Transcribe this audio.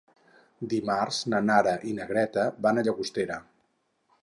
Dimarts na Nara i na Greta van a Llagostera.